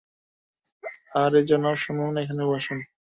আরে জনাব শুনুন, এখানে আসুন।